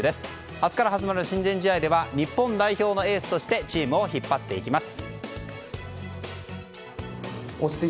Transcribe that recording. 明日から始まる親善試合では日本代表のエースとしてチームを引っ張っていきます。